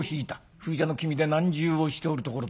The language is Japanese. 風邪の気味で難渋をしておるところだ。